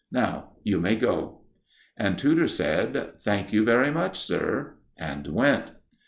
Now you may go." And Tudor said: "Thank you very much, sir," and went.